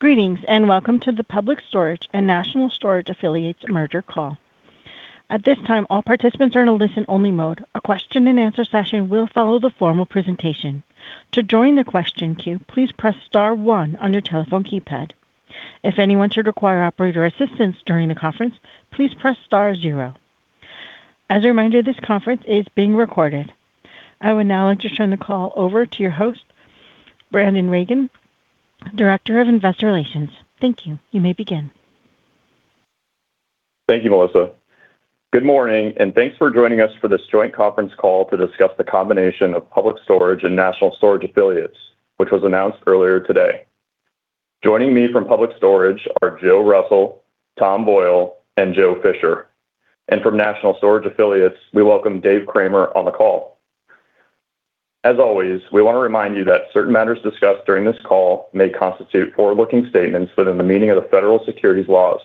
Greetings, and welcome to the Public Storage and National Storage Affiliates merger call. At this time, all participants are in a listen-only mode. A question and answer session will follow the formal presentation. To join the question queue, please press star one on your telephone keypad. If anyone should require operator assistance during the conference, please press star zero. As a reminder, this conference is being recorded. I would now like to turn the call over to your host, Ryan Burke, Director of Investor Relations. Thank you. You may begin. Thank you, Melissa. Good morning, and thanks for joining us for this joint conference call to discuss the combination of Public Storage and National Storage Affiliates, which was announced earlier today. Joining me from Public Storage are Joe Russell, Tom Boyle, and Joe Fisher. From National Storage Affiliates, we welcome Dave Kramer on the call. As always, we want to remind you that certain matters discussed during this call may constitute forward-looking statements within the meaning of the federal securities laws.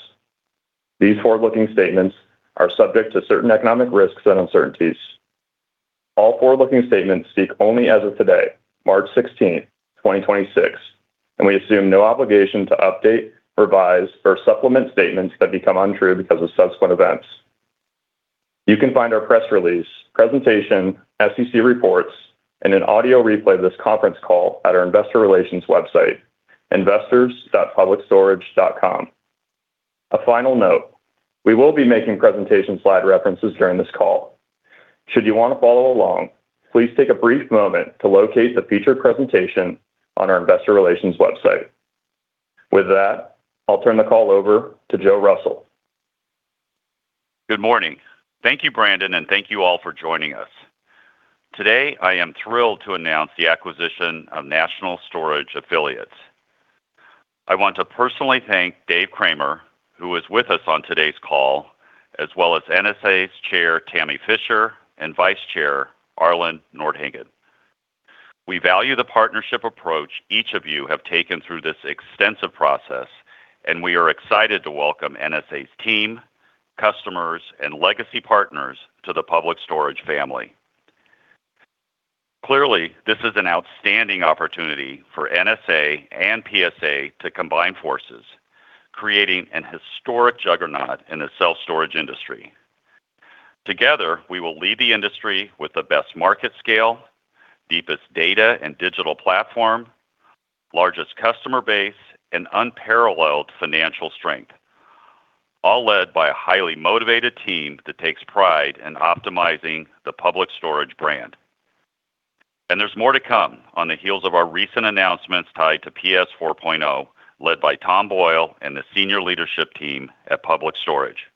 These forward-looking statements are subject to certain economic risks and uncertainties. All forward-looking statements speak only as of today, March sixteenth, 2026, and we assume no obligation to update, revise, or supplement statements that become untrue because of subsequent events. You can find our press release, presentation, SEC reports, and an audio replay of this conference call at our investor relations website, investors.publicstorage.com. A final note, we will be making presentation slide references during this call. Should you want to follow along, please take a brief moment to locate the featured presentation on our investor relations website. With that, I'll turn the call over to Joe Russell. Good morning. Thank you, Brandon, and thank you all for joining us. Today, I am thrilled to announce the acquisition of National Storage Affiliates. I want to personally thank David Cramer, who is with us on today's call, as well as NSA's Chair, Tamara Fischer, and Vice Chair, Arlen Nordhagen. We value the partnership approach each of you have taken through this extensive process, and we are excited to welcome NSA's team, customers, and legacy partners to the Public Storage family. Clearly, this is an outstanding opportunity for NSA and PSA to combine forces, creating an historic juggernaut in the self-storage industry. Together, we will lead the industry with the best market scale, deepest data and digital platform, largest customer base, and unparalleled financial strength, all led by a highly motivated team that takes pride in optimizing the Public Storage brand. There's more to come on the heels of our recent announcements tied to PS 4.0, led by Tom Boyle and the senior leadership team at Public Storage.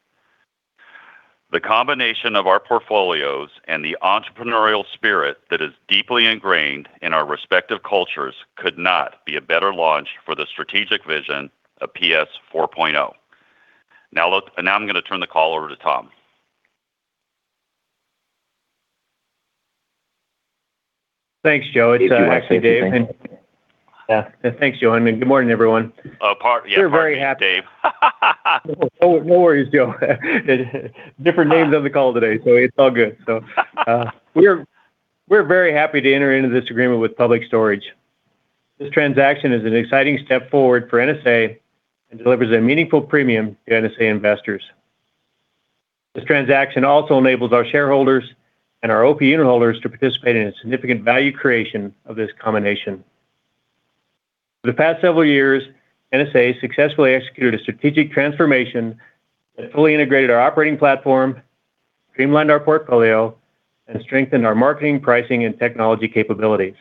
The combination of our portfolios and the entrepreneurial spirit that is deeply ingrained in our respective cultures could not be a better launch for the strategic vision of PS 4.0. Now look, now I'm gonna turn the call over to Tom. Thanks, Joe. It's actually Dave. Yeah. Thanks, Joe, and good morning, everyone. Pardon me, Dave. Oh, no worries, Joe. Different names on the call today, so it's all good. We're very happy to enter into this agreement with Public Storage. This transaction is an exciting step forward for NSA and delivers a meaningful premium to NSA investors. This transaction also enables our shareholders and our OP unit holders to participate in a significant value creation of this combination. For the past several years, NSA successfully executed a strategic transformation that fully integrated our operating platform, streamlined our portfolio, and strengthened our marketing, pricing, and technology capabilities.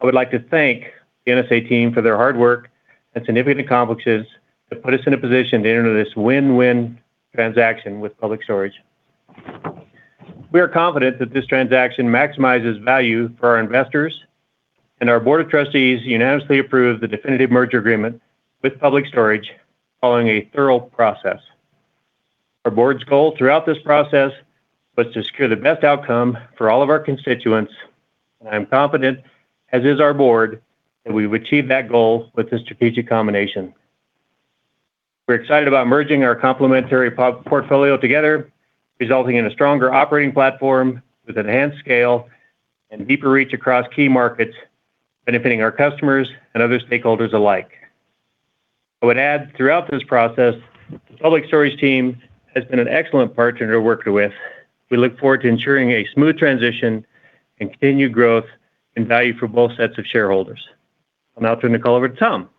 I would like to thank the NSA team for their hard work and significant accomplishments that put us in a position to enter this win-win transaction with Public Storage. We are confident that this transaction maximizes value for our investors and our board of trustees unanimously approved the definitive merger agreement with Public Storage following a thorough process. Our board's goal throughout this process was to secure the best outcome for all of our constituents. I am confident, as is our board, that we've achieved that goal with this strategic combination. We're excited about merging our complementary portfolio together, resulting in a stronger operating platform with enhanced scale and deeper reach across key markets, benefiting our customers and other stakeholders alike. I would add throughout this process, the Public Storage team has been an excellent partner to work with. We look forward to ensuring a smooth transition and continued growth and value for both sets of shareholders. I'll now turn the call over to Tom.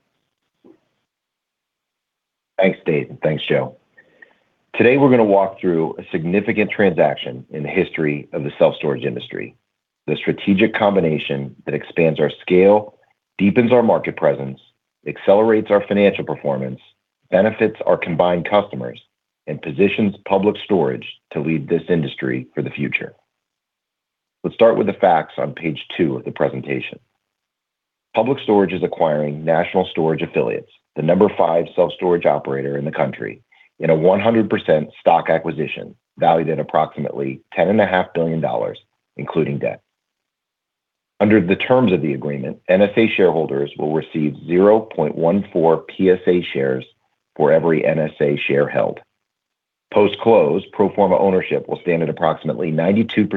Thanks, Dave, and thanks, Joe. Today, we're gonna walk through a significant transaction in the history of the self-storage industry, the strategic combination that expands our scale, deepens our market presence, accelerates our financial performance, benefits our combined customers, and positions Public Storage to lead this industry for the future. Let's start with the facts on page two of the presentation. Public Storage is acquiring National Storage Affiliates, the number five self-storage operator in the country, in a 100% stock acquisition valued at approximately $10.5 billion, including debt. Under the terms of the agreement, NSA shareholders will receive 0.14 PSA shares for every NSA share held. Post-close, pro forma ownership will stand at approximately 92%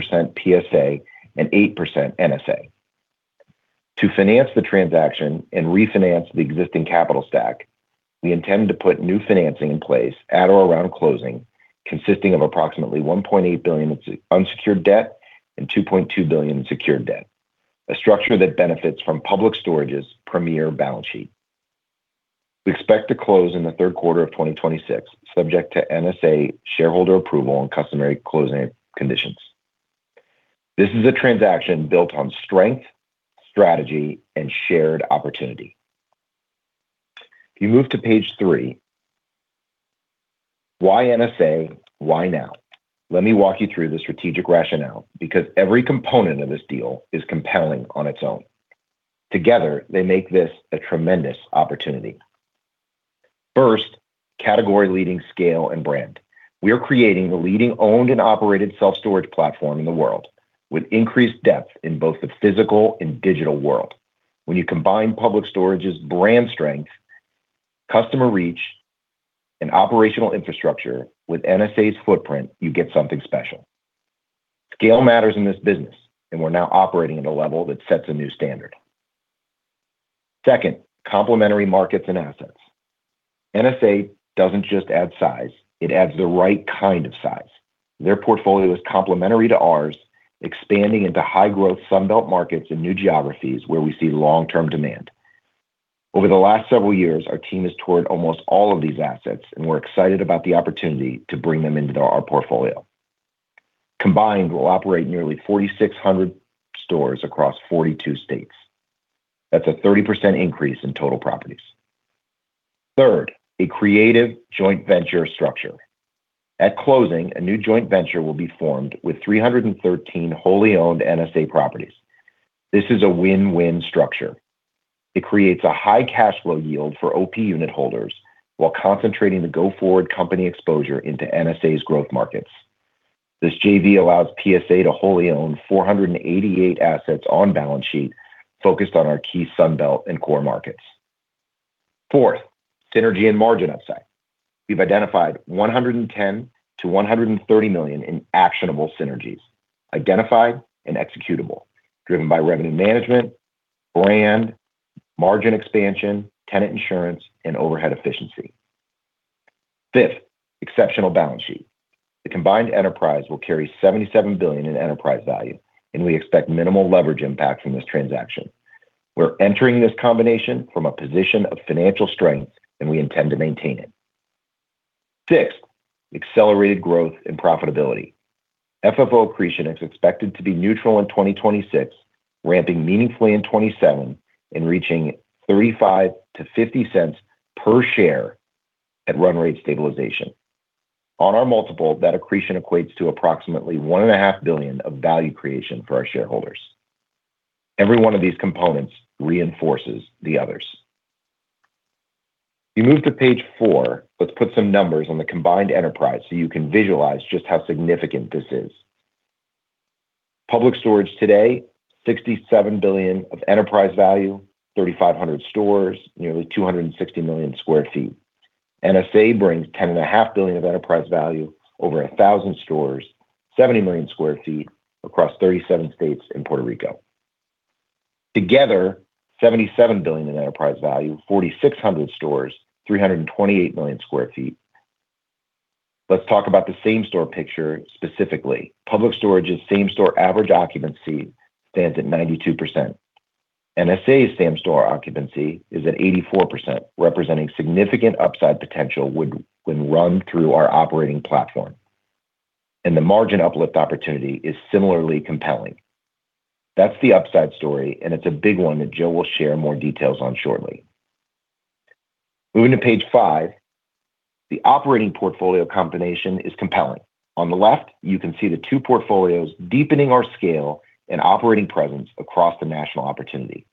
PSA and 8% NSA. To finance the transaction and refinance the existing capital stack, we intend to put new financing in place at or around closing, consisting of approximately $1.8 billion unsecured debt and $2.2 billion in secured debt, a structure that benefits from Public Storage's premier balance sheet. We expect to close in the third quarter of 2026, subject to NSA shareholder approval and customary closing conditions. This is a transaction built on strength, strategy, and shared opportunity. If you move to page three, why NSA? Why now? Let me walk you through the strategic rationale, because every component of this deal is compelling on its own. Together, they make this a tremendous opportunity. First, category leading scale and brand. We are creating the leading owned and operated self-storage platform in the world with increased depth in both the physical and digital world. When you combine Public Storage's brand strength, customer reach, and operational infrastructure with NSA's footprint, you get something special. Scale matters in this business, and we're now operating at a level that sets a new standard. Second, complementary markets and assets. NSA doesn't just add size, it adds the right kind of size. Their portfolio is complementary to ours, expanding into high-growth Sun Belt markets and new geographies where we see long-term demand. Over the last several years, our team has toured almost all of these assets, and we're excited about the opportunity to bring them into our portfolio. Combined, we'll operate nearly 4,600 stores across 42 states. That's a 30% increase in total properties. Third, a creative joint venture structure. At closing, a new joint venture will be formed with 313 wholly owned NSA properties. This is a win-win structure. It creates a high cash flow yield for OP unit holders while concentrating the go-forward company exposure into NSA's growth markets. This JV allows PSA to wholly own 488 assets on balance sheet focused on our key Sun Belt and core markets. Fourth, synergy and margin upside. We've identified $110 million-$130 million in actionable synergies, identified and executable, driven by revenue management, brand, margin expansion, tenant insurance, and overhead efficiency. Fifth, exceptional balance sheet. The combined enterprise will carry $77 billion in enterprise value, and we expect minimal leverage impact from this transaction. We're entering this combination from a position of financial strength, and we intend to maintain it. Sixth, accelerated growth and profitability. FFO accretion is expected to be neutral in 2026, ramping meaningfully in 2027 and reaching $0.35-$0.50 per share at run rate stabilization. On our multiple, that accretion equates to approximately $1.5 billion of value creation for our shareholders. Every one of these components reinforces the others. If you move to page four, let's put some numbers on the combined enterprise so you can visualize just how significant this is. Public Storage today, $67 billion of enterprise value, 3,500 stores, nearly 260 million sq ft. NSA brings $10.5 billion of enterprise value, over 1,000 stores, 70 million sq ft across 37 states and Puerto Rico. Together, $77 billion in enterprise value, 4,600 stores, 328 million sq ft. Let's talk about the same-store picture specifically. Public Storage's same-store average occupancy stands at 92%. NSA's same-store occupancy is at 84%, representing significant upside potential when run through our operating platform. The margin uplift opportunity is similarly compelling. That's the upside story, and it's a big one that Joe will share more details on shortly. Moving to page five, the operating portfolio combination is compelling. On the left, you can see the two portfolios deepening our scale and operating presence across the national opportunity.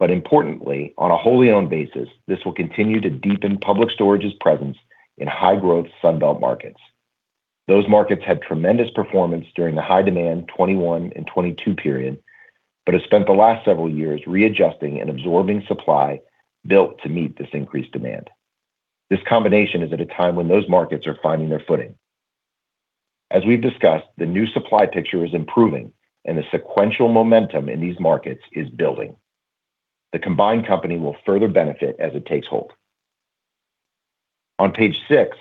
Importantly, on a wholly owned basis, this will continue to deepen Public Storage's presence in high-growth Sun Belt markets. Those markets had tremendous performance during the high demand 2021 and 2022 period but have spent the last several years readjusting and absorbing supply built to meet this increased demand. This combination is at a time when those markets are finding their footing. As we've discussed, the new supply picture is improving, and the sequential momentum in these markets is building. The combined company will further benefit as it takes hold. On page six,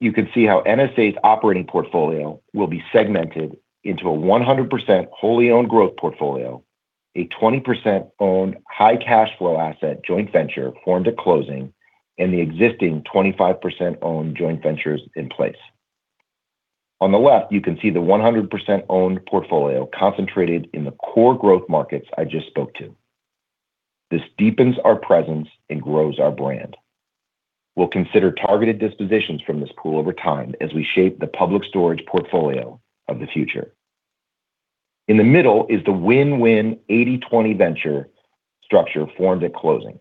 you can see how NSA's operating portfolio will be segmented into a 100% wholly owned growth portfolio, a 20% owned high cash flow asset joint venture formed at closing, and the existing 25% owned joint ventures in place. On the left, you can see the 100% owned portfolio concentrated in the core growth markets I just spoke to. This deepens our presence and grows our brand. We'll consider targeted dispositions from this pool over time as we shape the Public Storage portfolio of the future. In the middle is the win-win 80/20 venture structure formed at closing.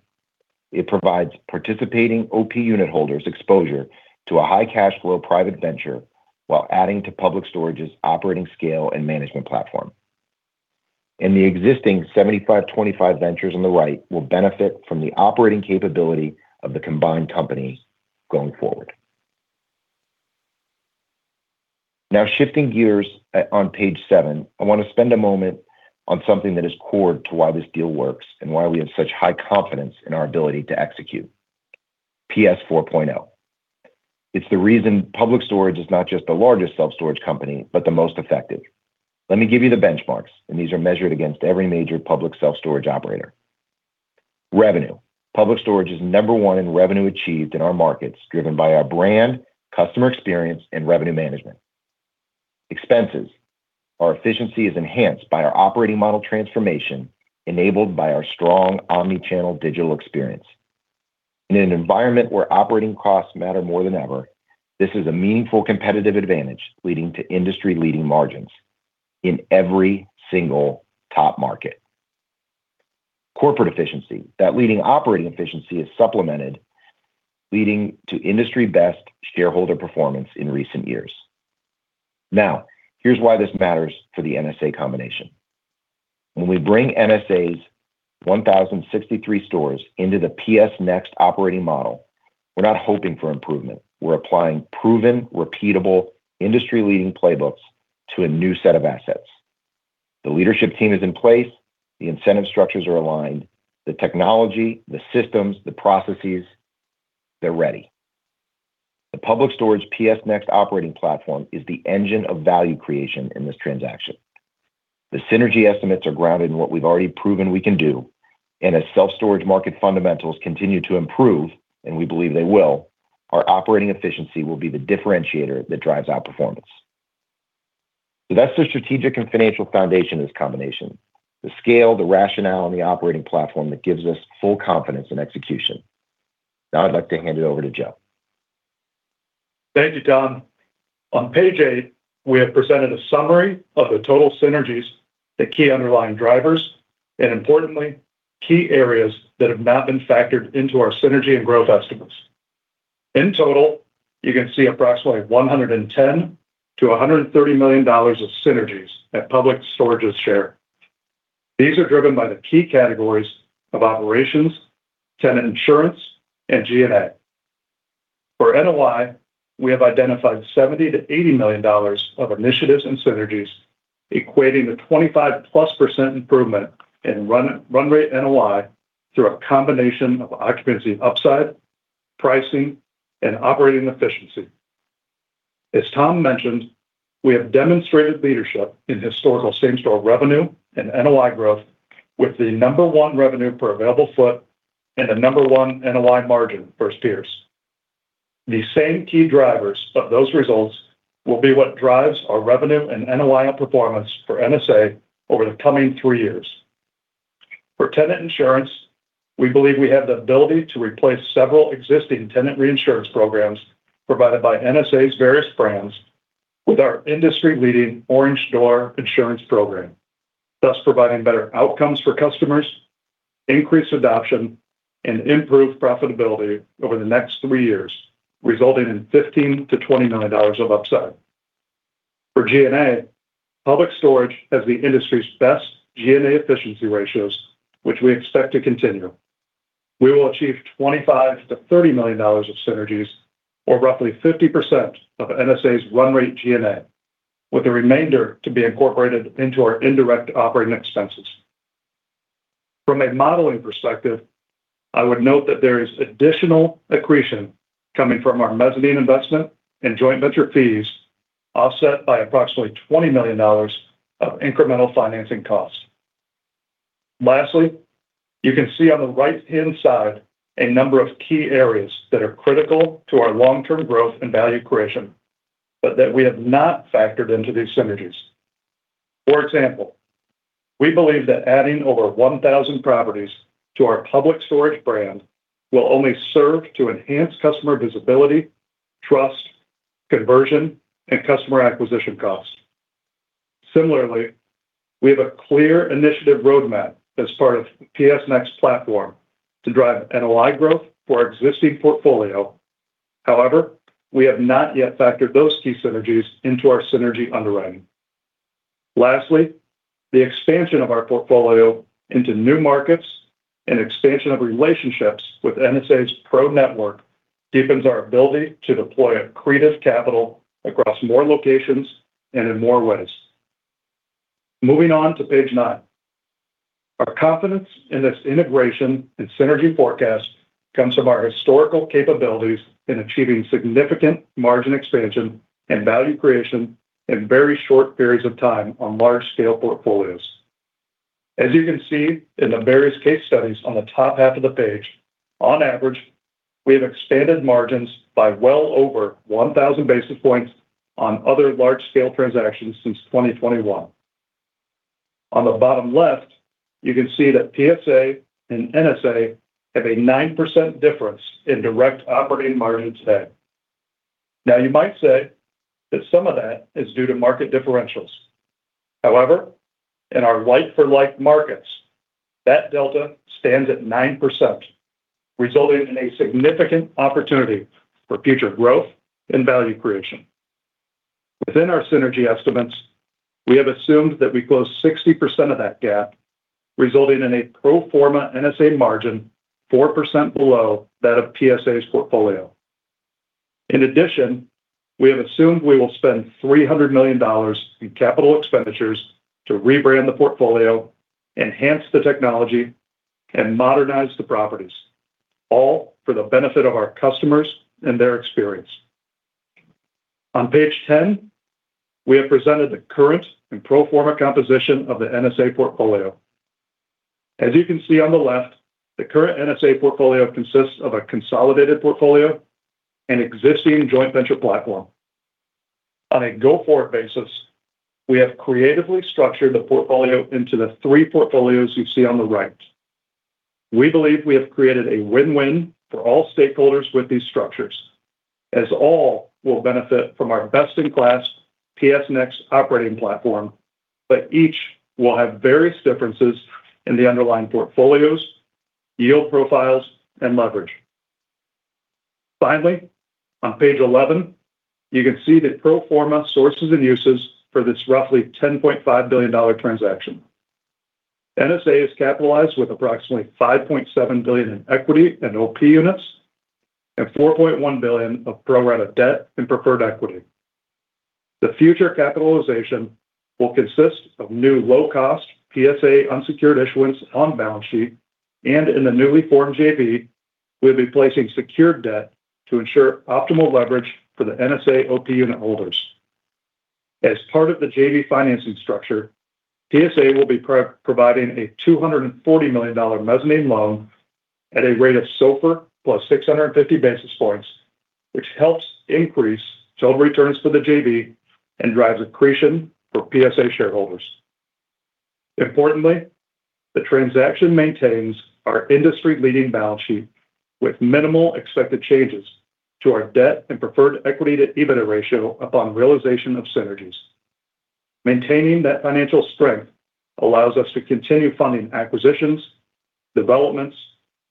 It provides participating OP unit holders exposure to a high cash flow private venture while adding to Public Storage's operating scale and management platform. The existing 75/25 ventures on the right will benefit from the operating capability of the combined company going forward. Now, shifting gears on page seven, I want to spend a moment on something that is core to why this deal works and why we have such high confidence in our ability to execute. PS4.0. It's the reason Public Storage is not just the largest self-storage company, but the most effective. Let me give you the benchmarks, and these are measured against every major public self-storage operator. Revenue. Public Storage is number one in revenue achieved in our markets, driven by our brand, customer experience, and revenue management. Expenses. Our efficiency is enhanced by our operating model transformation enabled by our strong omni-channel digital experience. In an environment where operating costs matter more than ever, this is a meaningful competitive advantage leading to industry-leading margins in every single top market. Corporate efficiency. That leading operating efficiency is supplemented, leading to industry-best shareholder performance in recent years. Now, here's why this matters for the NSA combination. When we bring NSA's 1,063 stores into the PS Next operating model, we're not hoping for improvement. We're applying proven, repeatable, industry-leading playbooks to a new set of assets. The leadership team is in place. The incentive structures are aligned. The technology, the systems, the processes, they're ready. The Public Storage PS Next operating platform is the engine of value creation in this transaction. The synergy estimates are grounded in what we've already proven we can do. And as self-storage market fundamentals continue to improve, and we believe they will, our operating efficiency will be the differentiator that drives our performance. That's the strategic and financial foundation of this combination, the scale, the rationale, and the operating platform that gives us full confidence in execution. Now I'd like to hand it over to Joe. Thank you, Tom. On page eight, we have presented a summary of the total synergies, the key underlying drivers, and importantly, key areas that have not been factored into our synergy and growth estimates. In total, you can see approximately $110 million-$130 million of synergies at Public Storage's share. These are driven by the key categories of operations, tenant insurance, and G&A. For NOI, we have identified $70 million-$80 million of initiatives and synergies, equating to 25%+ improvement in run rate NOI through a combination of occupancy upside, pricing, and operating efficiency. As Tom mentioned, we have demonstrated leadership in historical same-store revenue and NOI growth with the number one revenue per available foot and the number one NOI margin for our peers. The same key drivers of those results will be what drives our revenue and NOI performance for NSA over the coming three years. For tenant insurance, we believe we have the ability to replace several existing tenant reinsurance programs provided by NSA's various brands with our industry-leading Orange Door insurance program, thus providing better outcomes for customers, increased adoption, and improved profitability over the next three years, resulting in $15-$20 million of upside. For G&A, Public Storage has the industry's best G&A efficiency ratios, which we expect to continue. We will achieve $25-$30 million of synergies, or roughly 50% of NSA's run rate G&A, with the remainder to be incorporated into our indirect operating expenses. From a modeling perspective, I would note that there is additional accretion coming from our mezzanine investment and joint venture fees, offset by approximately $20 million of incremental financing costs. Lastly, you can see on the right-hand side a number of key areas that are critical to our long-term growth and value creation, but that we have not factored into these synergies. For example, we believe that adding over 1,000 properties to our Public Storage brand will only serve to enhance customer visibility, trust, conversion, and customer acquisition costs. Similarly, we have a clear initiative roadmap as part of PS Next platform to drive NOI growth for our existing portfolio. However, we have not yet factored those key synergies into our synergy underwriting. Lastly, the expansion of our portfolio into new markets and expansion of relationships with NSA's PRO network deepens our ability to deploy accretive capital across more locations and in more ways. Moving on to page nine. Our confidence in this integration and synergy forecast comes from our historical capabilities in achieving significant margin expansion and value creation in very short periods of time on large-scale portfolios. As you can see in the various case studies on the top half of the page, on average, we have expanded margins by well over 1,000 basis points on other large-scale transactions since 2021. On the bottom left, you can see that PSA and NSA have a 9% difference in direct operating margins today. Now, you might say that some of that is due to market differentials. However, in our like-for-like markets, that delta stands at 9%, resulting in a significant opportunity for future growth and value creation. Within our synergy estimates, we have assumed that we close 60% of that gap, resulting in a pro forma NSA margin 4% below that of PSA's portfolio. In addition, we have assumed we will spend $300 million in capital expenditures to rebrand the portfolio, enhance the technology, and modernize the properties, all for the benefit of our customers and their experience. On page 10, we have presented the current and pro forma composition of the NSA portfolio. As you can see on the left, the current NSA portfolio consists of a consolidated portfolio and existing joint venture platform. On a go-forward basis, we have creatively structured the portfolio into the three portfolios you see on the right. We believe we have created a win-win for all stakeholders with these structures, as all will benefit from our best-in-class PS Next operating platform, but each will have various differences in the underlying portfolios, yield profiles, and leverage. Finally, on page 11, you can see the pro forma sources and uses for this roughly $10.5 billion transaction. NSA is capitalized with approximately $5.7 billion in equity and OP units and $4.1 billion of pro rata debt and preferred equity. The future capitalization will consist of new low-cost PSA unsecured issuance on balance sheet and in the newly formed JV, we'll be placing secured debt to ensure optimal leverage for the NSA OP unit holders. As part of the JV financing structure, PSA will be providing a $240 million mezzanine loan at a rate of SOFR + 650 basis points, which helps increase total returns for the JV and drives accretion for PSA shareholders. Importantly, the transaction maintains our industry-leading balance sheet with minimal expected changes to our debt and preferred equity-to-EBITDA ratio upon realization of synergies. Maintaining that financial strength allows us to continue funding acquisitions, developments,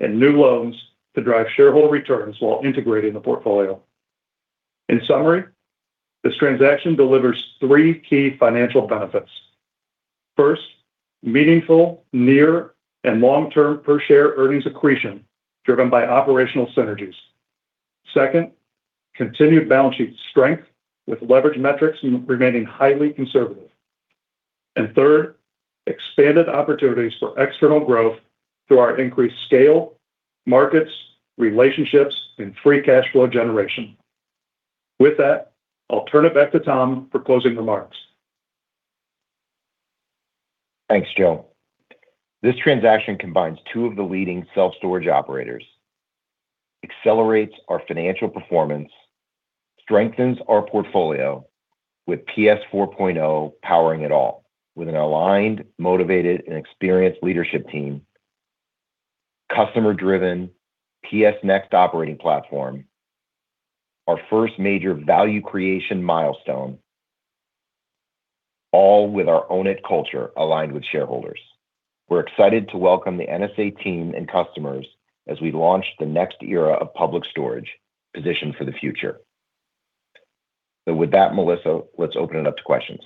and new loans to drive shareholder returns while integrating the portfolio. In summary, this transaction delivers three key financial benefits. First, meaningful near and long-term per-share earnings accretion driven by operational synergies. Second, continued balance sheet strength with leverage metrics remaining highly conservative. Third, expanded opportunities for external growth through our increased scale, markets, relationships, and free cash flow generation. With that, I'll turn it back to Tom for closing remarks. Thanks, Joe. This transaction combines two of the leading self-storage operators, accelerates our financial performance, strengthens our portfolio with PS 4.0 powering it all with an aligned, motivated, and experienced leadership team, customer-driven PS Next operating platform, our first major value creation milestone, all with our own IT culture aligned with shareholders. We're excited to welcome the NSA team and customers as we launch the next era of Public Storage positioned for the future. With that, Melissa, let's open it up to questions.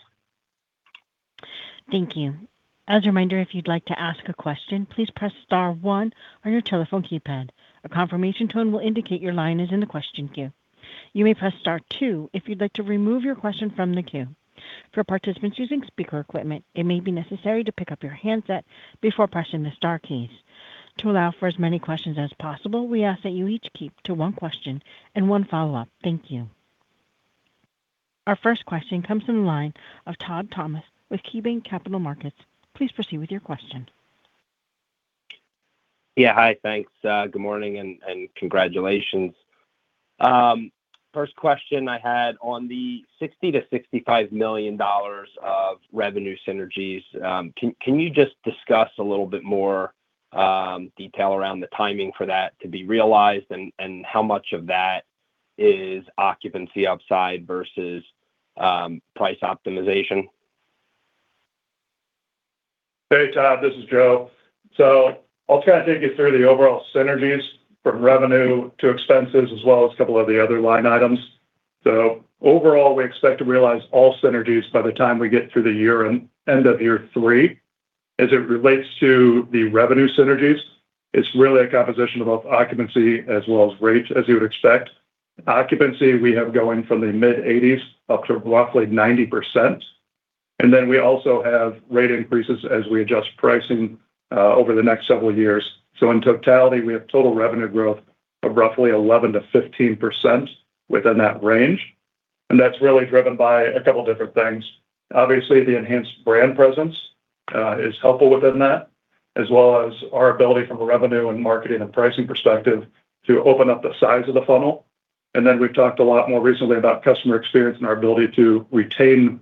Thank you. As a reminder, if you'd like to ask a question, please press star one on your telephone keypad. A confirmation tone will indicate your line is in the question queue. You may press star two if you'd like to remove your question from the queue. For participants using speaker equipment, it may be necessary to pick up your handset before pressing the star keys. To allow for as many questions as possible, we ask that you each keep to one question and one follow-up. Thank you. Our first question comes from the line of Todd Thomas with KeyBanc Capital Markets. Please proceed with your question. Yeah. Hi. Thanks, good morning and congratulations. First question I had on the $60 million-$65 million of revenue synergies, can you just discuss a little bit more detail around the timing for that to be realized and how much of that is occupancy upside versus price optimization? Hey, Todd. This is Joe. I'll kind of take you through the overall synergies from revenue to expenses, as well as a couple of the other line items. Overall, we expect to realize all synergies by the time we get through the year and end of year three. As it relates to the revenue synergies, it's really a composition of both occupancy as well as rates, as you would expect. Occupancy, we have going from the mid-80s up to roughly 90%. We also have rate increases as we adjust pricing over the next several years. In totality, we have total revenue growth of roughly 11%-15% within that range, and that's really driven by a couple different things. Obviously, the enhanced brand presence is helpful within that, as well as our ability from a revenue and marketing and pricing perspective to open up the size of the funnel. We've talked a lot more recently about customer experience and our ability to retain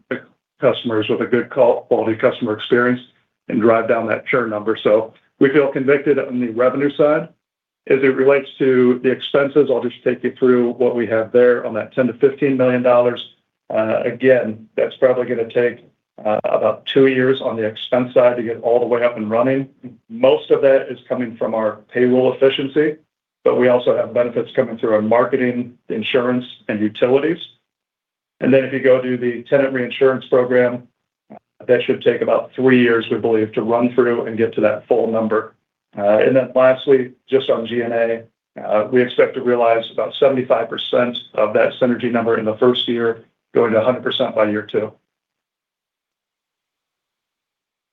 customers with a good quality customer experience and drive down that churn number. We feel convicted on the revenue side. As it relates to the expenses, I'll just take you through what we have there on that $10-$15 million. Again, that's probably gonna take about two years on the expense side to get all the way up and running. Most of that is coming from our payroll efficiency. We also have benefits coming through our marketing, insurance, and utilities. If you go to the tenant reinsurance program, that should take about three years, we believe, to run through and get to that full number. Lastly, just on G&A, we expect to realize about 75% of that synergy number in the first year, going to 100% by year two.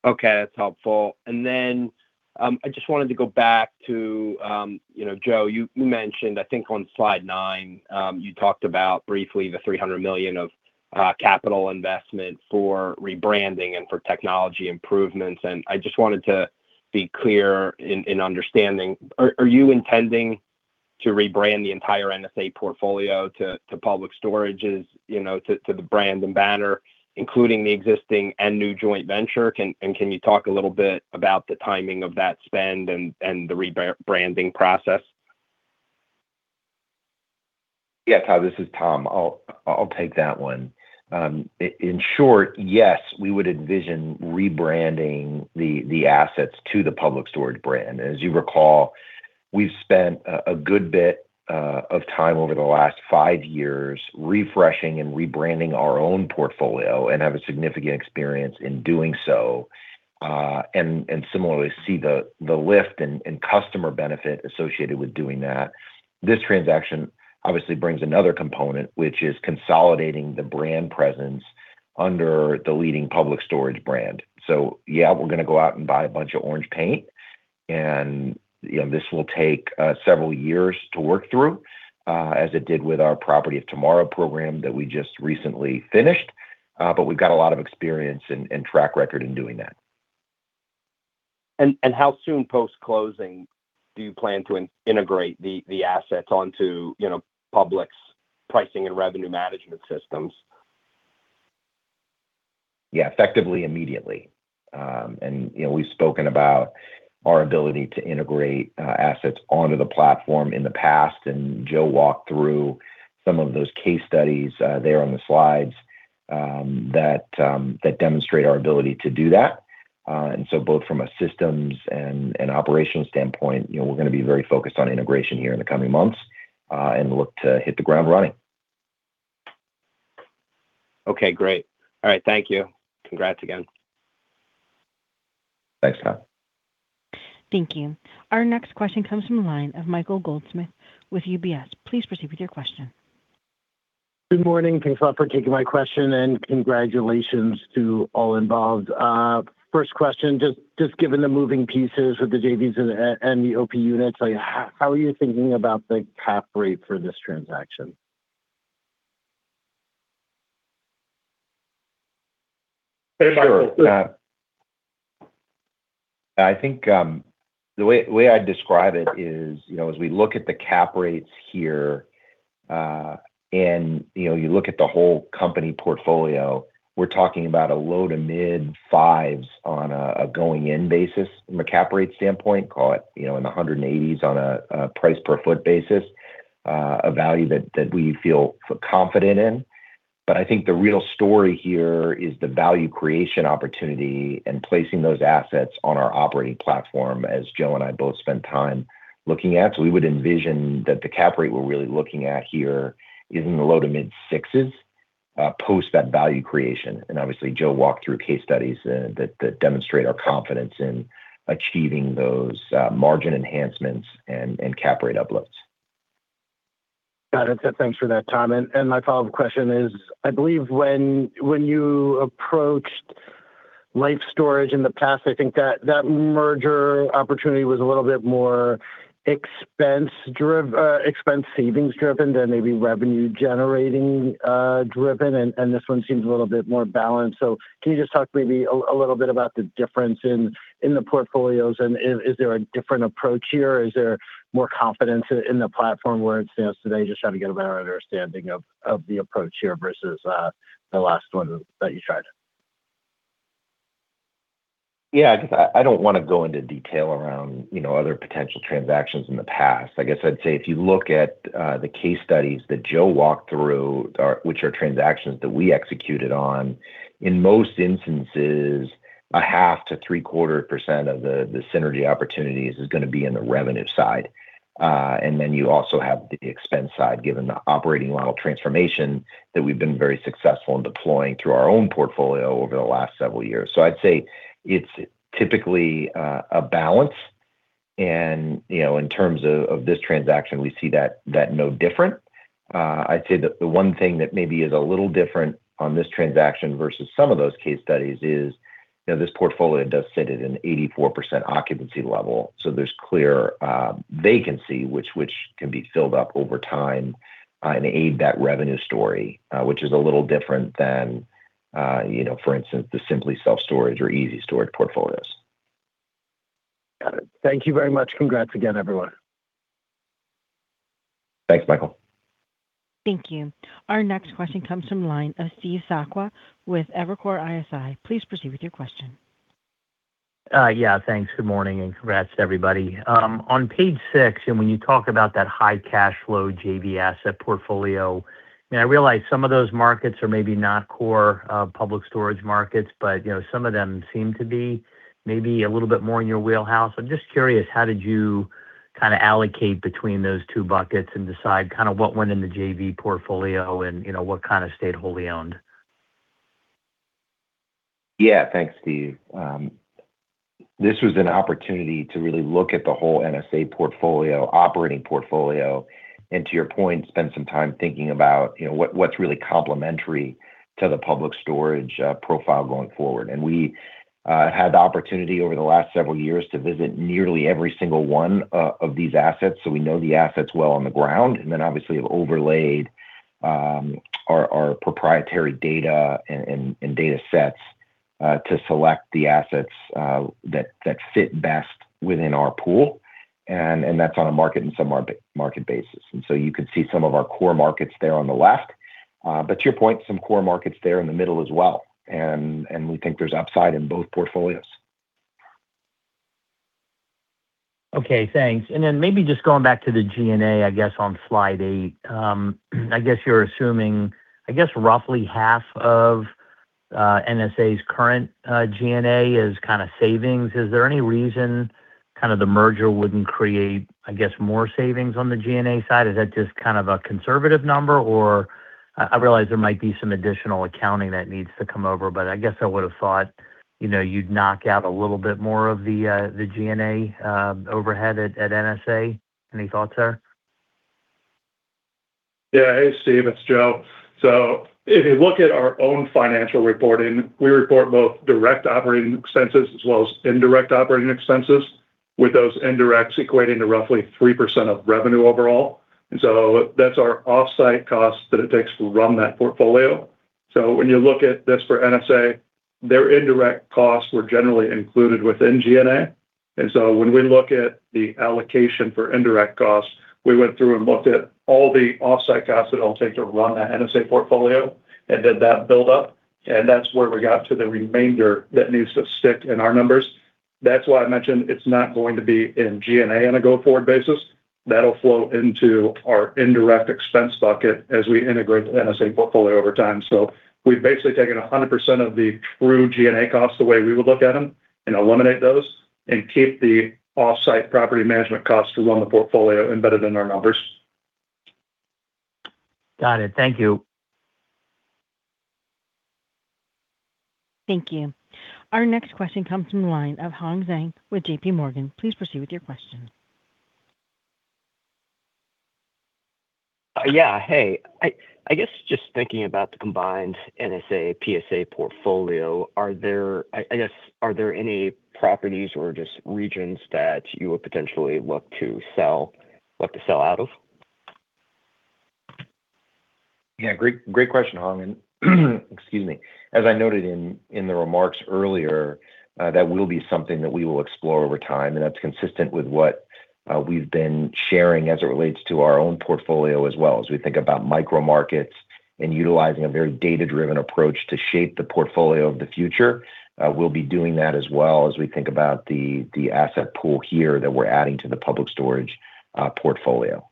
Okay, that's helpful. I just wanted to go back to, you know, Joe, you mentioned, I think on slide nine, you talked about briefly the $300 million of capital investment for rebranding and for technology improvements, and I just wanted to be clear in understanding. Are you intending to rebrand the entire NSA portfolio to Public Storage's, you know, to the brand and banner, including the existing and new joint venture? Can you talk a little bit about the timing of that spend and the rebranding process? Yeah, Todd, this is Tom. I'll take that one. In short, yes, we would envision rebranding the assets to the Public Storage brand. As you recall, we've spent a good bit of time over the last five years refreshing and rebranding our own portfolio and have a significant experience in doing so, and similarly see the lift and customer benefit associated with doing that. This transaction obviously brings another component, which is consolidating the brand presence under the leading Public Storage brand. Yeah, we're gonna go out and buy a bunch of orange paint, and you know, this will take several years to work through, as it did with our Property of Tomorrow program that we just recently finished, but we've got a lot of experience and track record in doing that. How soon post-closing do you plan to integrate the assets onto, you know, Public's pricing and revenue management systems? Yeah, effectively immediately. You know, we've spoken about our ability to integrate assets onto the platform in the past, and Joe walked through some of those case studies there on the slides that demonstrate our ability to do that. Both from a systems and an operations standpoint, you know, we're gonna be very focused on integration here in the coming months, and look to hit the ground running. Okay, great. All right, thank you. Congrats again. Thanks, Todd. Thank you. Our next question comes from the line of Michael Goldsmith with UBS. Please proceed with your question. Good morning. Thanks a lot for taking my question, and congratulations to all involved. First question, just given the moving pieces with the JVs and the OP units, like, how are you thinking about the cap rate for this transaction? Sure. I think the way I'd describe it is, you know, as we look at the cap rates here, and, you know, you look at the whole company portfolio, we're talking about a low- to mid-5s on a going-in basis from a cap rate standpoint, call it, you know, in the 180s on a price per foot basis, a value that we feel confident in. But I think the real story here is the value creation opportunity and placing those assets on our operating platform as Joe and I both spent time looking at. We would envision that the cap rate we're really looking at here is in the low- to mid-6s post that value creation. Obviously, Joe walked through case studies that demonstrate our confidence in achieving those margin enhancements and cap rate uploads. Got it. Thanks for that, Tom. My follow-up question is, I believe when you approached Life Storage in the past, I think that merger opportunity was a little bit more expense savings driven than maybe revenue generating driven, and this one seems a little bit more balanced. Can you just talk maybe a little bit about the difference in the portfolios, and is there a different approach here? Is there more confidence in the platform where it stands today? Just trying to get a better understanding of the approach here versus the last one that you tried. Yeah. I just don't wanna go into detail around, you know, other potential transactions in the past. I guess I'd say if you look at the case studies that Joe walked through, which are transactions that we executed on, in most instances, 0.5%-0.75% of the synergy opportunities is gonna be in the revenue side. Then you also have the expense side, given the operating model transformation that we've been very successful in deploying through our own portfolio over the last several years. I'd say it's typically a balance. You know, in terms of this transaction, we see that no different. I'd say that the one thing that maybe is a little different on this transaction versus some of those case studies is, you know, this portfolio does sit at an 84% occupancy level, so there's clear vacancy which can be filled up over time and aid that revenue story, which is a little different than, you know, for instance, the Simply Self Storage or ezStorage portfolios. Got it. Thank you very much. Congrats again, everyone. Thanks, Michael. Thank you. Our next question comes from the line of Steve Sakwa with Evercore ISI. Please proceed with your question. Yeah. Thanks. Good morning and congrats to everybody. On page six, when you talk about that high cash flow JV asset portfolio, I mean, I realize some of those markets are maybe not core Public Storage markets, but you know, some of them seem to be maybe a little bit more in your wheelhouse. I'm just curious, how did you kinda allocate between those two buckets and decide kinda what went in the JV portfolio and, you know, what kinda stayed wholly owned? Yeah. Thanks, Steve. This was an opportunity to really look at the whole NSA portfolio, operating portfolio, and to your point, spend some time thinking about, you know, what's really complementary to the Public Storage profile going forward. We had the opportunity over the last several years to visit nearly every single one of these assets, so we know the assets well on the ground. Then obviously have overlaid our proprietary data and data sets to select the assets that fit best within our pool, and that's on a market-by-market basis. You could see some of our core markets there on the left, but to your point, some core markets there in the middle as well. We think there's upside in both portfolios. Okay, thanks. Maybe just going back to the G&A, I guess, on slide eight. I guess you're assuming, I guess, roughly half of NSA's current G&A is kinda savings. Is there any reason kind of the merger wouldn't create, I guess, more savings on the G&A side? Is that just kind of a conservative number? Or I realize there might be some additional accounting that needs to come over, but I guess I would've thought, you know, you'd knock out a little bit more of the G&A overhead at NSA. Any thoughts there? Yeah. Hey, Steve. It's Joe. If you look at our own financial reporting, we report both direct operating expenses as well as indirect operating expenses, with those indirects equating to roughly 3% of revenue overall. That's our off-site cost that it takes to run that portfolio. When you look at this for NSA, their indirect costs were generally included within G&A. When we look at the allocation for indirect costs, we went through and looked at all the off-site costs that it'll take to run that NSA portfolio and did that build up, and that's where we got to the remainder that needs to stick in our numbers. That's why I mentioned it's not going to be in G&A on a go-forward basis. That'll flow into our indirect expense bucket as we integrate the NSA portfolio over time. We've basically taken 100% of the true G&A costs the way we would look at them and eliminate those and keep the off-site property management costs to run the portfolio embedded in our numbers. Got it. Thank you. Thank you. Our next question comes from the line of Hong Zhang with JPMorgan. Please proceed with your question. I guess just thinking about the combined NSA, PSA portfolio, are there any properties or just regions that you would potentially look to sell out of? Yeah. Great question, Hong. Excuse me. As I noted in the remarks earlier, that will be something that we will explore over time, and that's consistent with what we've been sharing as it relates to our own portfolio as well as we think about micro markets and utilizing a very data-driven approach to shape the portfolio of the future. We'll be doing that as well as we think about the asset pool here that we're adding to the Public Storage portfolio.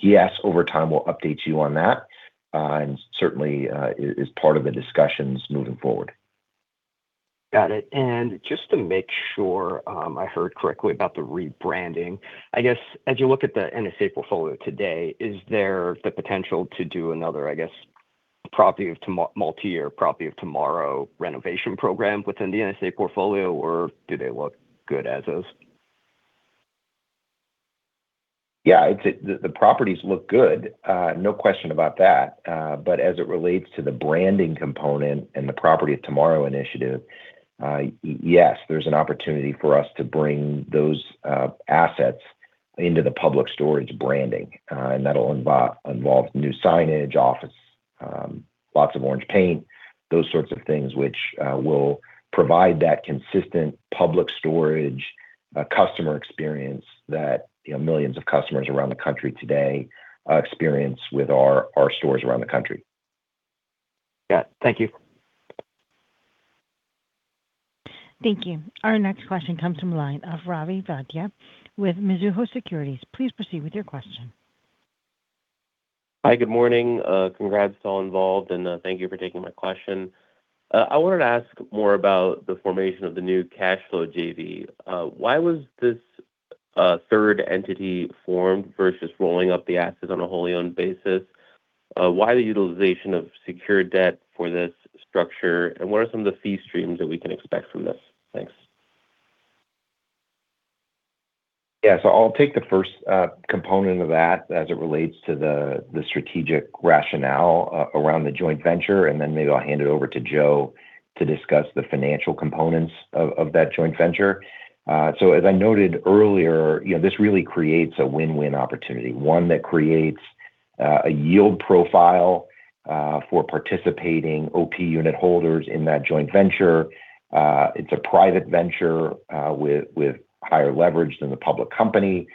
Yes, over time, we'll update you on that. Certainly, it is part of the discussions moving forward. Got it. Just to make sure, I heard correctly about the rebranding, I guess, as you look at the NSA portfolio today, is there the potential to do another, I guess, multi-year Property of Tomorrow renovation program within the NSA portfolio, or do they look good as is? Yeah. It's the properties look good. No question about that. As it relates to the branding component and the Property of Tomorrow initiative, yes, there's an opportunity for us to bring those assets into the Public Storage branding. That'll involve new signage, office, lots of orange paint, those sorts of things which will provide that consistent Public Storage customer experience that, you know, millions of customers around the country today experience with our stores around the country. Got it. Thank you. Thank you. Our next question comes from the line of Ravi Vaidya with Mizuho Securities. Please proceed with your question. Hi. Good morning. Congrats to all involved, and thank you for taking my question. I wanted to ask more about the formation of the new cash flow JV. Why was this third entity formed versus rolling up the assets on a wholly owned basis? Why the utilization of secured debt for this structure, and what are some of the fee streams that we can expect from this? Thanks. Yeah. I'll take the first component of that as it relates to the strategic rationale around the joint venture, and then maybe I'll hand it over to Joe to discuss the financial components of that joint venture. As I noted earlier, you know, this really creates a win-win opportunity, one that creates a yield profile for participating OP unit holders in that joint venture. It's a private venture with higher leverage than the public company,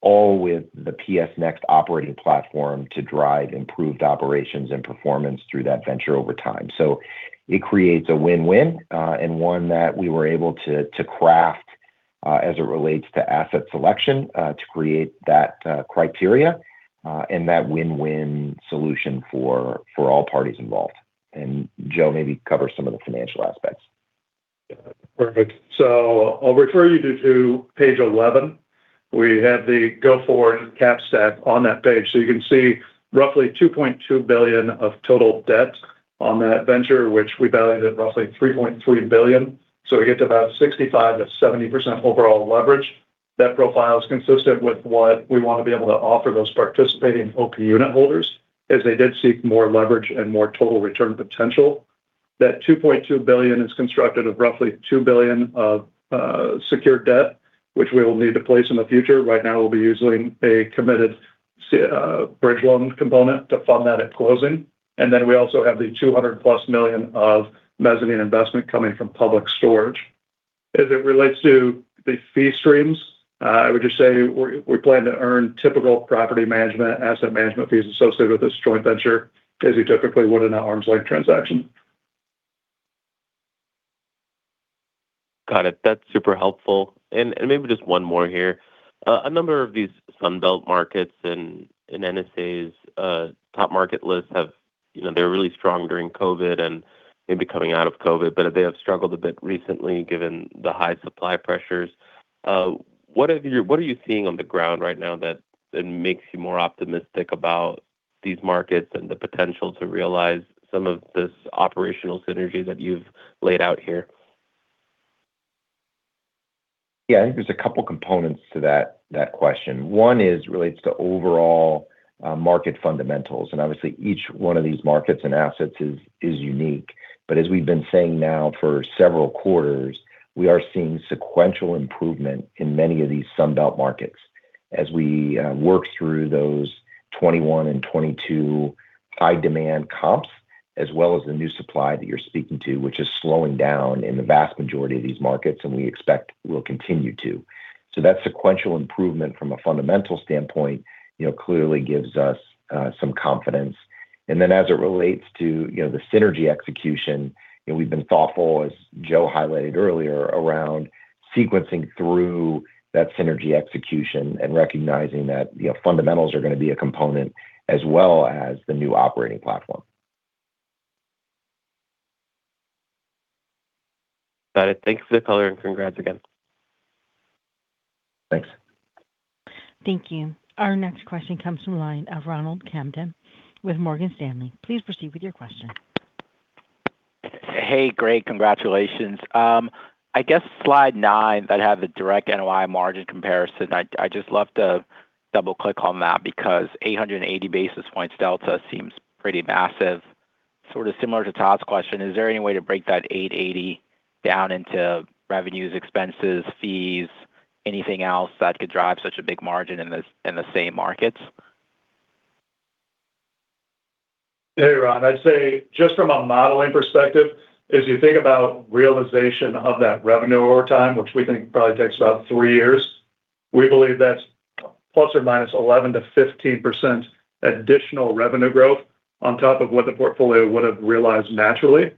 all with the PS Next operating platform to drive improved operations and performance through that venture over time. It creates a win-win, and one that we were able to craft. As it relates to asset selection to create that criteria and that win-win solution for all parties involved. Joe maybe cover some of the financial aspects. Perfect. I'll refer you to page 11. We have the go forward cap stack on that page. You can see roughly $2.2 billion of total debt on that venture, which we valued at roughly $3.3 billion. We get to about 65%-70% overall leverage. That profile is consistent with what we want to be able to offer those participating OP unit holders as they did seek more leverage and more total return potential. That $2.2 billion is constructed of roughly $2 billion of secured debt, which we will need to place in the future. Right now, we'll be using a committed bridge loan component to fund that at closing. We also have the $200+ million of mezzanine investment coming from Public Storage. As it relates to the fee streams, I would just say we plan to earn typical property management, asset management fees associated with this joint venture as you typically would in an arm's-length transaction. Got it. That's super helpful. Maybe just one more here. A number of these Sun Belt markets in NSA's top market lists. You know, they were really strong during COVID and maybe coming out of COVID, but they have struggled a bit recently given the high supply pressures. What are you seeing on the ground right now that makes you more optimistic about these markets and the potential to realize some of this operational synergy that you've laid out here? Yeah. I think there's a couple components to that question. One is related to overall market fundamentals, and obviously, each one of these markets and assets is unique. As we've been saying now for several quarters, we are seeing sequential improvement in many of these Sun Belt markets as we work through those 2021 and 2022 high demand comps, as well as the new supply that you're speaking to, which is slowing down in the vast majority of these markets, and we expect will continue to. That sequential improvement from a fundamental standpoint, you know, clearly gives us some confidence. As it relates to, you know, the synergy execution, you know, we've been thoughtful, as Joe highlighted earlier, around sequencing through that synergy execution and recognizing that, you know, fundamentals are going to be a component as well as the new operating platform. Got it. Thanks for the color and congrats again. Thanks. Thank you. Our next question comes from the line of Ronald Kamdem with Morgan Stanley. Please proceed with your question. Hey, great. Congratulations. I guess slide nine that had the direct NOI margin comparison, I'd just love to double click on that because 880 basis points delta seems pretty massive. Sort of similar to Todd's question, is there any way to break that 880 down into revenues, expenses, fees, anything else that could drive such a big margin in the same markets? Hey, Ron. I'd say just from a modeling perspective, as you think about realization of that revenue over time, which we think probably takes about three years, we believe that's ±11%-15% additional revenue growth on top of what the portfolio would have realized naturally.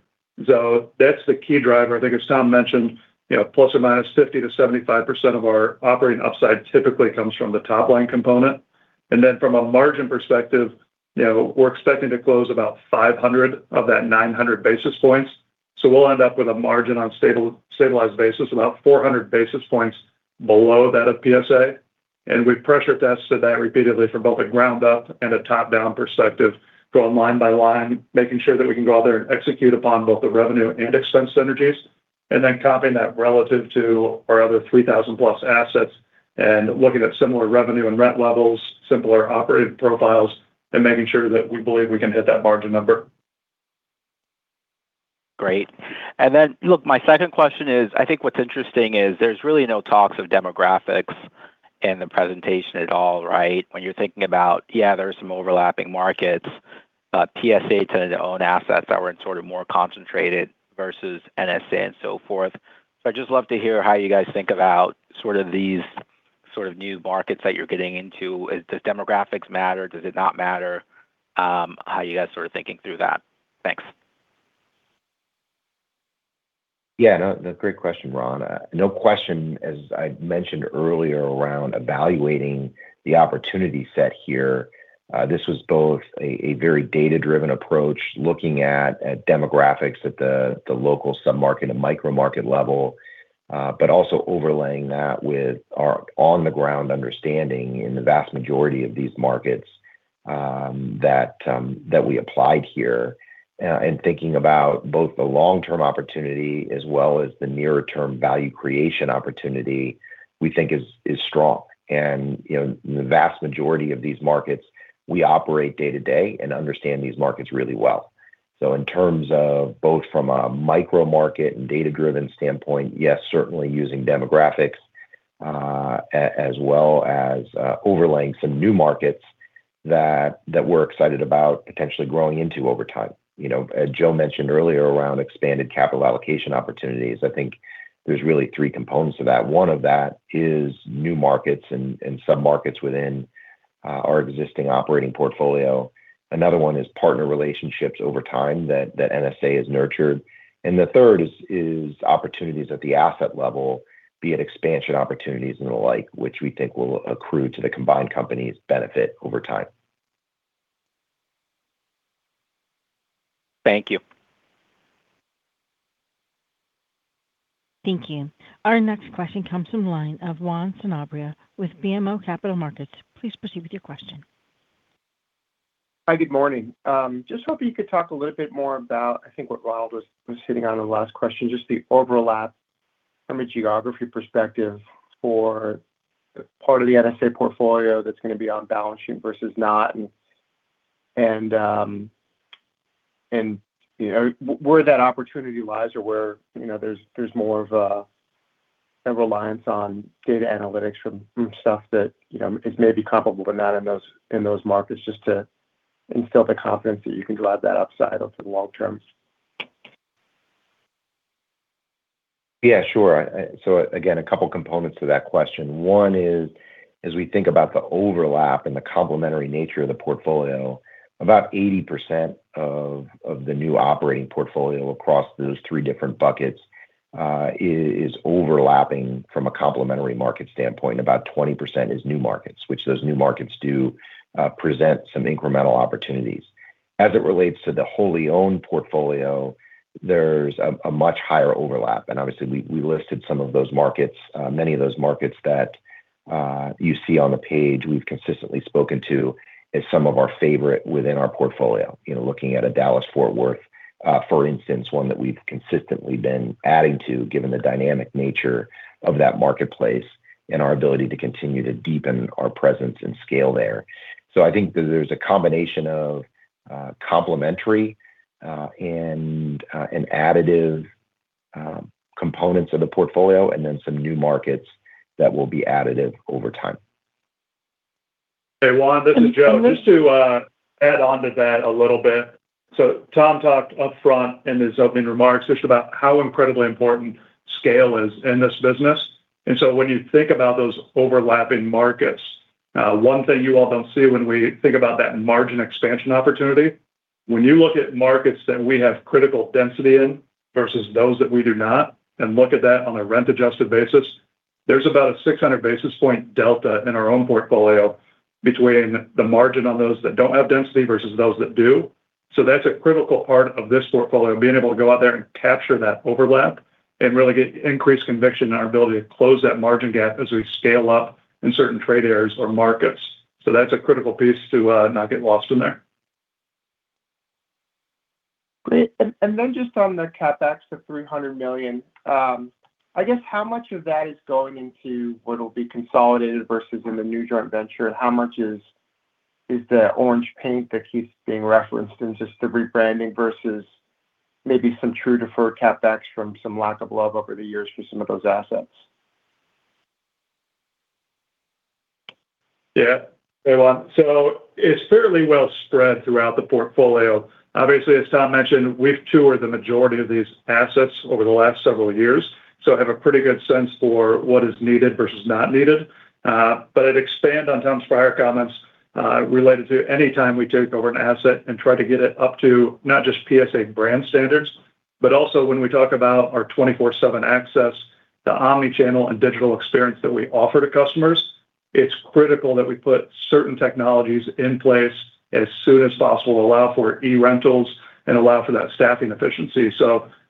That's the key driver. I think as Tom mentioned, you know, ±50%-75% of our operating upside typically comes from the top-line component. Then from a margin perspective, you know, we're expecting to close about 500 of that 900 basis points. We'll end up with a margin on stable-stabilized basis, about 400 basis points below that of PSA. We've pressure tested that repeatedly from both a ground up and a top-down perspective, going line by line, making sure that we can go out there and execute upon both the revenue and expense synergies, and then copying that relative to our other 3,000+ assets and looking at similar revenue and rent levels, similar operating profiles, and making sure that we believe we can hit that margin number. Great. Look, my second question is, I think what's interesting is there's really no talk of demographics in the presentation at all, right? When you're thinking about, yeah, there are some overlapping markets, PSA-owned assets that were in sort of more concentrated versus NSA and so forth. I'd just love to hear how you guys think about sort of these sort of new markets that you're getting into. Do demographics matter? Does it not matter, how you guys are sort of thinking through that? Thanks. Yeah. No, great question, Ron. No question, as I mentioned earlier, around evaluating the opportunity set here, this was both a very data-driven approach, looking at demographics at the local sub-market and micro-market level, but also overlaying that with our on the ground understanding in the vast majority of these markets, that we applied here. Thinking about both the long-term opportunity as well as the nearer term value creation opportunity, we think is strong. You know, the vast majority of these markets we operate day to day and understand these markets really well. In terms of both from a micro-market and data-driven standpoint, yes, certainly using demographics, as well as overlaying some new markets that we're excited about potentially growing into over time. You know, as Joe mentioned earlier around expanded capital allocation opportunities, I think there's really three components to that. One of that is new markets and sub-markets within our existing operating portfolio. Another one is partner relationships over time that NSA has nurtured. The third is opportunities at the asset level, be it expansion opportunities and the like, which we think will accrue to the combined companies' benefit over time. Thank you. Thank you. Our next question comes from the line of Juan Sanabria with BMO Capital Markets. Please proceed with your question. Hi, good morning. Just hoping you could talk a little bit more about, I think what Ronald was hitting on in the last question, just the overlap from a geography perspective for part of the NSA portfolio that's gonna be on balance sheet versus not. You know, where that opportunity lies or where, you know, there's more of a reliance on data analytics from stuff that, you know, is maybe comparable but not in those markets, just to instill the confidence that you can drive that upside over the long term. Yeah, sure. Again, a couple components to that question. One is, as we think about the overlap and the complementary nature of the portfolio, about 80% of the new operating portfolio across those three different buckets is overlapping from a complementary market standpoint. About 20% is new markets, which those new markets do present some incremental opportunities. As it relates to the wholly owned portfolio, there's a much higher overlap. Obviously we listed some of those markets. Many of those markets that you see on the page, we've consistently spoken to as some of our favorite within our portfolio. You know, looking at a Dallas-Fort Worth, for instance, one that we've consistently been adding to, given the dynamic nature of that marketplace and our ability to continue to deepen our presence and scale there. I think that there's a combination of complementary and an additive components of the portfolio and then some new markets that will be additive over time. Hey, Juan, this is Joe. Just to add on to that a little bit. Tom talked up front in his opening remarks just about how incredibly important scale is in this business. When you think about those overlapping markets, one thing you all don't see when we think about that margin expansion opportunity, when you look at markets that we have critical density in versus those that we do not, and look at that on a rent-adjusted basis, there's about a 600 basis point delta in our own portfolio between the margin on those that don't have density versus those that do. That's a critical part of this portfolio, being able to go out there and capture that overlap and really get increased conviction in our ability to close that margin gap as we scale up in certain trade areas or markets. That's a critical piece to not get lost in there. Great. Then just on the CapEx of $300 million, I guess how much of that is going into what'll be consolidated versus in the new joint venture? How much is the orange paint that keeps being referenced and just the rebranding versus maybe some true deferred CapEx from some lack of love over the years for some of those assets? Yeah. Hey, Juan. It's fairly well spread throughout the portfolio. Obviously, as Tom mentioned, we've toured the majority of these assets over the last several years, so have a pretty good sense for what is needed versus not needed. I'd expand on Tom's prior comments, related to any time we take over an asset and try to get it up to not just PSA brand standards, but also when we talk about our 24/7 access, the omni-channel and digital experience that we offer to customers, it's critical that we put certain technologies in place as soon as possible to allow for eRental and allow for that staffing efficiency.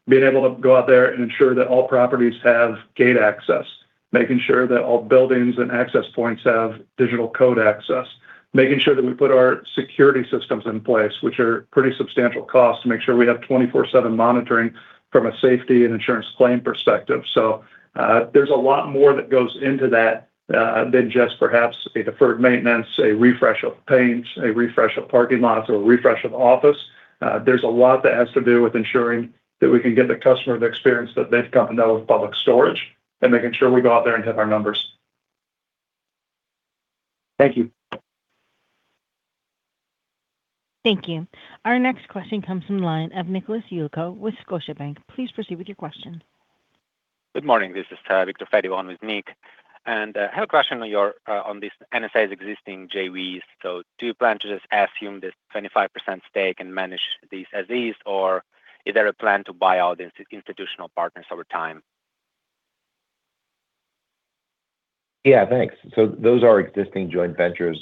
Being able to go out there and ensure that all properties have gate access, making sure that all buildings and access points have digital code access, making sure that we put our security systems in place, which are pretty substantial costs to make sure we have 24/7 monitoring from a safety and insurance claim perspective. There's a lot more that goes into that than just perhaps a deferred maintenance, a refresh of paint, a refresh of parking lots, or a refresh of office. There's a lot that has to do with ensuring that we can give the customer the experience that they've come to know with Public Storage and making sure we go out there and hit our numbers. Thank you. Thank you. Our next question comes from the line of Nicholas Yulico with Scotiabank. Please proceed with your question. Good morning. This is Viktor Fediv with Nick. I have a question on your on this NSA's existing JVs. Do you plan to just assume this 25% stake and manage these as is, or is there a plan to buy out the institutional partners over time? Yeah, thanks. Those are existing joint ventures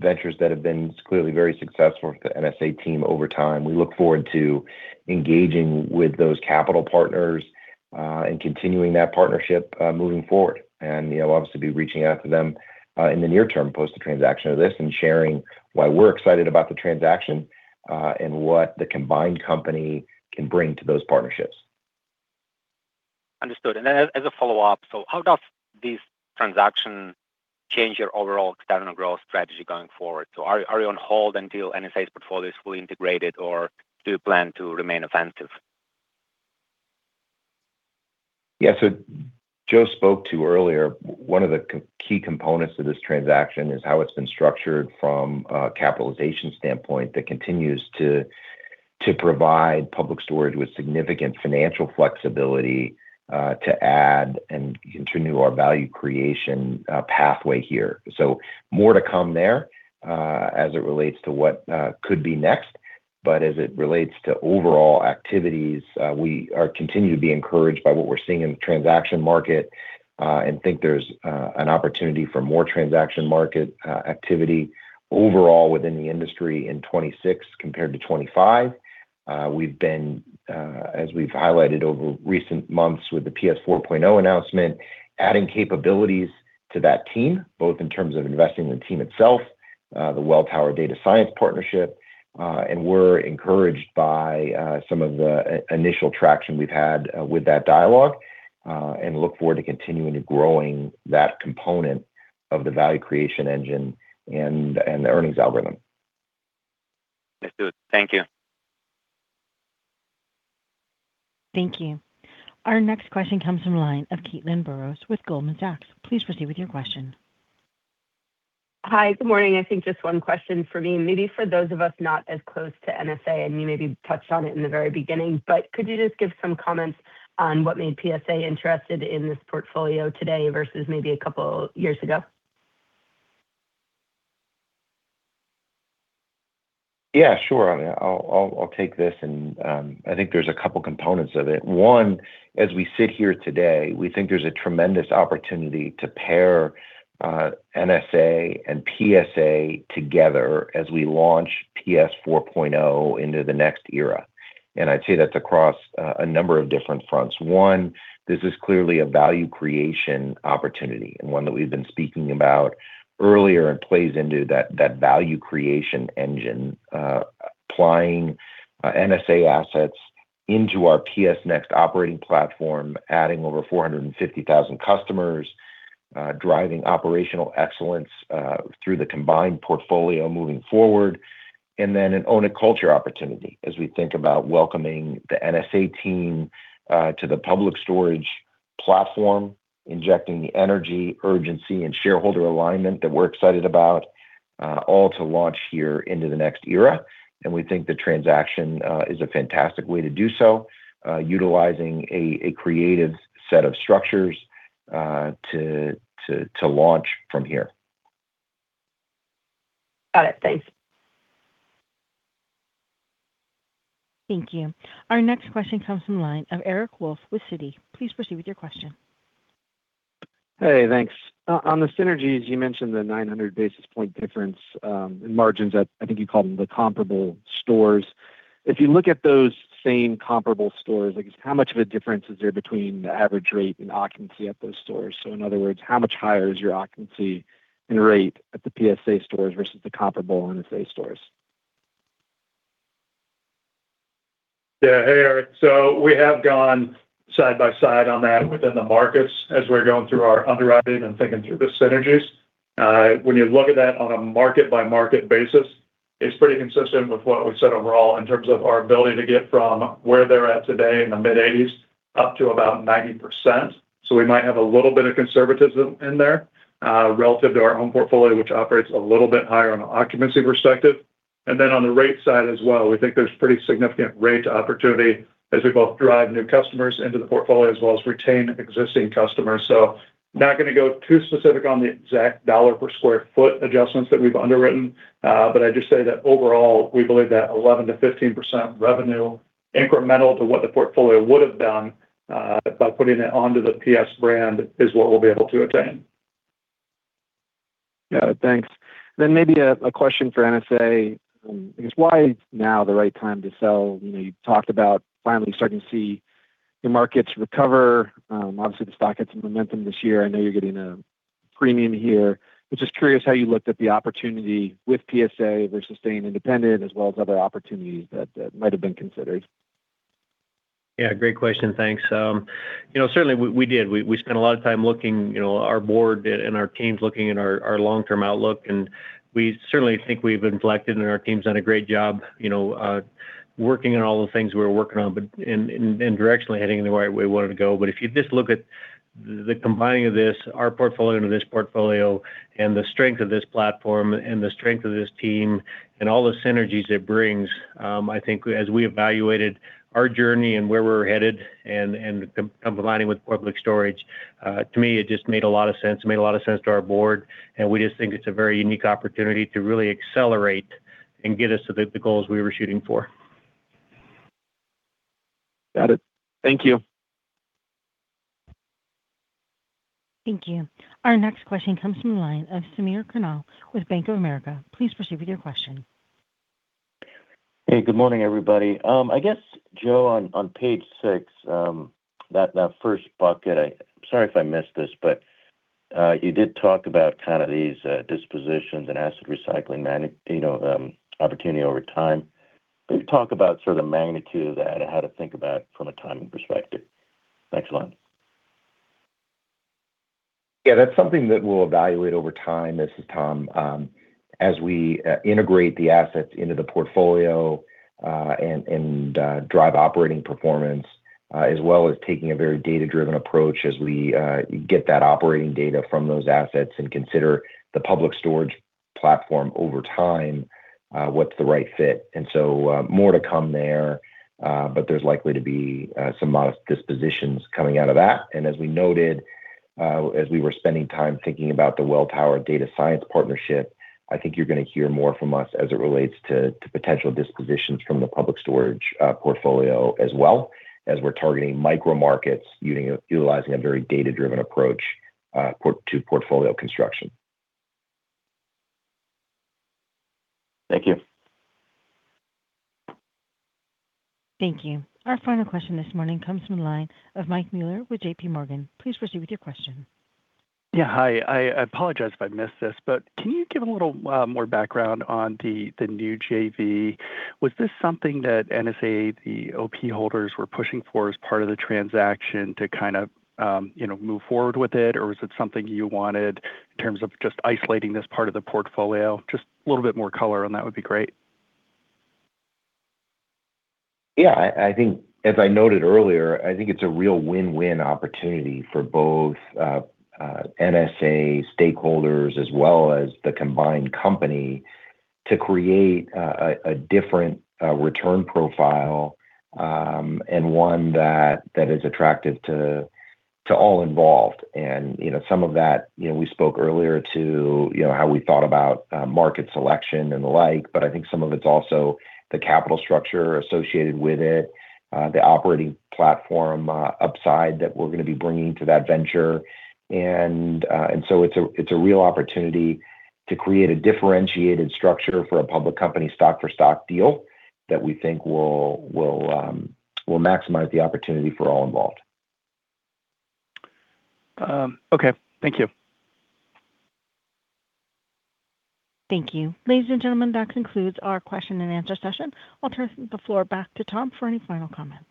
that have been clearly very successful with the NSA team over time. We look forward to engaging with those capital partners and continuing that partnership moving forward. You know, we'll obviously be reaching out to them in the near term post the transaction of this and sharing why we're excited about the transaction and what the combined company can bring to those partnerships. Understood. As a follow-up, so how does this transaction change your overall external growth strategy going forward? Are you on hold until NSA's portfolio is fully integrated, or do you plan to remain offensive? Yeah. Joe spoke to earlier, one of the key components of this transaction is how it's been structured from a capitalization standpoint that continues to provide Public Storage with significant financial flexibility, to add and continue our value creation pathway here. More to come there, as it relates to what could be next, but as it relates to overall activities, we are continuing to be encouraged by what we're seeing in the transaction market, and think there's an opportunity for more transaction market activity overall within the industry in 2026 compared to 2025. We've been, as we've highlighted over recent months with the PS4.0 announcement, adding capabilities to that team, both in terms of investing in the team itself, the Welltower data science partnership, and we're encouraged by some of the initial traction we've had with that dialogue, and look forward to continuing to growing that component of the value creation engine and the earnings algorithm. Yes, good. Thank you. Thank you. Our next question comes from the line of Caitlin Burrows with Goldman Sachs. Please proceed with your question. Hi. Good morning. I think just one question for me, maybe for those of us not as close to NSA, and you maybe touched on it in the very beginning, but could you just give some comments on what made PSA interested in this portfolio today versus maybe a couple years ago? Yeah, sure. I'll take this and I think there's a couple components of it. One, as we sit here today, we think there's a tremendous opportunity to pair NSA and PSA together as we launch PS 4.0 into the next era. I'd say that's across a number of different fronts. One, this is clearly a value creation opportunity and one that we've been speaking about earlier and plays into that value creation engine, applying NSA assets into our PS Next operating platform, adding over 450,000 customers, driving operational excellence through the combined portfolio moving forward, and then an ownership culture opportunity as we think about welcoming the NSA team to the Public Storage platform, injecting the energy, urgency, and shareholder alignment that we're excited about, all to launch here into the next era. We think the transaction is a fantastic way to do so, utilizing a creative set of structures to launch from here. Got it. Thanks. Thank you. Our next question comes from the line of Eric Wolfe with Citi. Please proceed with your question. Hey, thanks. On the synergies, you mentioned the 900 basis point difference in margins at, I think you called them the comparable stores. If you look at those same comparable stores, I guess how much of a difference is there between the average rate and occupancy at those stores? In other words, how much higher is your occupancy and rate at the PSA stores versus the comparable NSA stores? Yeah. Hey, Eric. We have gone side by side on that within the markets as we're going through our underwriting and thinking through the synergies. When you look at that on a market by market basis, it's pretty consistent with what we said overall in terms of our ability to get from where they're at today in the mid-80s up to about 90%. We might have a little bit of conservatism in there, relative to our own portfolio, which operates a little bit higher on an occupancy perspective. And then on the rate side as well, we think there's pretty significant rate opportunity as we both drive new customers into the portfolio as well as retain existing customers. Not gonna go too specific on the exact dollar per sq ft adjustments that we've underwritten, but I'd just say that overall, we believe that 11%-15% revenue incremental to what the portfolio would have done, by putting it onto the PS brand is what we'll be able to attain. Yeah. Thanks. Maybe a question for NSA. I guess why is now the right time to sell? You know, you talked about finally starting to see the markets recover. Obviously the stock had some momentum this year. I know you're getting a premium here. I'm just curious how you looked at the opportunity with PSA versus staying independent as well as other opportunities that might have been considered. Yeah, great question. Thanks. You know, certainly we did. We spent a lot of time looking, you know, our board and our teams looking at our long-term outlook, and we certainly think we've been flexible, and our team's done a great job, you know, working on all the things we're working on, but directionally heading in the right way we wanted to go. If you just look at the combining of this, our portfolio into this portfolio and the strength of this platform and the strength of this team and all the synergies it brings, I think as we evaluated our journey and where we're headed and combining with Public Storage, to me, it just made a lot of sense. It made a lot of sense to our board, and we just think it's a very unique opportunity to really accelerate and get us to the goals we were shooting for. Got it. Thank you. Thank you. Our next question comes from the line of Samir Khanal with Bank of America. Please proceed with your question. Hey, good morning, everybody. I guess, Joe, on page six, that first bucket. Sorry if I missed this, but you did talk about kind of these dispositions and asset recycling many opportunities over time. Can you talk about sort of the magnitude of that and how to think about it from a timing perspective? Thanks a lot. Yeah, that's something that we'll evaluate over time. This is Tom. As we integrate the assets into the portfolio, and drive operating performance as well as taking a very data-driven approach as we get that operating data from those assets and consider the Public Storage platform over time, what's the right fit. More to come there, but there's likely to be some modest dispositions coming out of that. As we noted, as we were spending time thinking about the Welltower data science partnership, I think you're gonna hear more from us as it relates to potential dispositions from the Public Storage portfolio, as well as we're targeting micro markets utilizing a very data-driven approach to portfolio construction. Thank you. Thank you. Our final question this morning comes from the line of Michael Mueller with JPMorgan. Please proceed with your question. Yeah. Hi, I apologize if I missed this, but can you give a little more background on the new JV? Was this something that NSA, the OP holders were pushing for as part of the transaction to kind of, you know, move forward with it, or was it something you wanted in terms of just isolating this part of the portfolio? Just a little bit more color on that would be great. Yeah. I think as I noted earlier, I think it's a real win-win opportunity for both NSA stakeholders as well as the combined company to create a different return profile, and one that is attractive to all involved. You know, some of that, you know, we spoke earlier to, you know, how we thought about market selection and the like, but I think some of it's also the capital structure associated with it, the operating platform upside that we're gonna be bringing to that venture. It's a real opportunity to create a differentiated structure for a public company stock-for-stock deal that we think will maximize the opportunity for all involved. Okay. Thank you. Thank you. Ladies and gentlemen, that concludes our question and answer session. I'll turn the floor back to Tom for any final comments.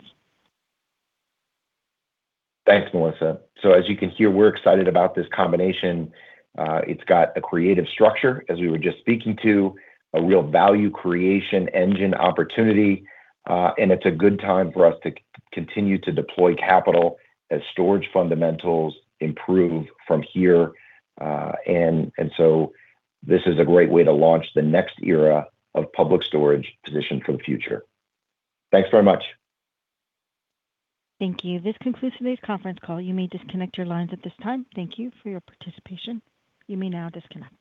Thanks, Melissa. As you can hear, we're excited about this combination. It's got a creative structure, as we were just speaking to, a real value creation engine opportunity, and it's a good time for us to continue to deploy capital as storage fundamentals improve from here. This is a great way to launch the next era of Public Storage positioned for the future. Thanks very much. Thank you. This concludes today's conference call. You may disconnect your lines at this time. Thank you for your participation. You may now disconnect.